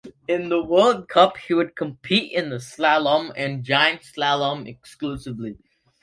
In the World Cup he would compete in the slalom and giant slalom exclusively.